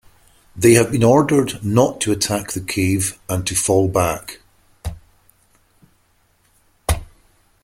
They have been ordered not to attack the cave and to fall back.